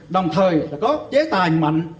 đồng thời có chế tài mạnh